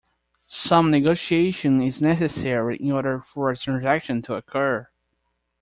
Some negotiation is necessary in order for a transaction to occur.